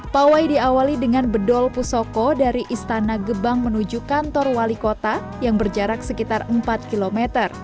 pawai diawali dengan bedol pusoko dari istana gebang menuju kantor wali kota yang berjarak sekitar empat km